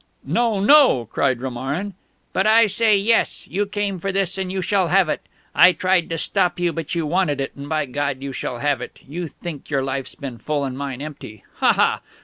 "No, no!" cried Romarin. "But I say yes! You came for this, and you shall have it! I tried to stop you, but you wanted it, and by God you shall have it! You think your life's been full and mine empty? Ha ha!...